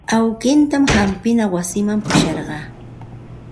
Awkiitan hampina wasiman pusharqaa.